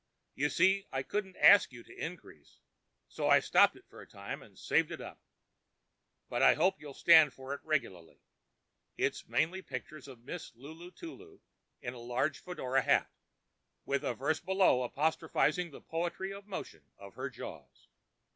You see, I couldn't ask you to increase, so I stopped it for a time and saved up. But I hope you'll stand for it regularly. It's mainly pictures of Miss. Lulu Tulu in a large Florodora hat, with verses below apostrophizing the poetry of motion of her jaws.